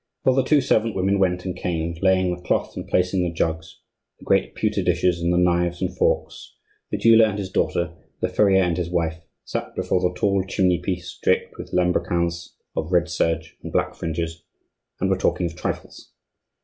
While the two servant women went and came, laying the cloth and placing the jugs, the great pewter dishes, and the knives and forks, the jeweller and his daughter, the furrier and his wife, sat before the tall chimney piece draped with lambrequins of red serge and black fringes, and were talking of trifles.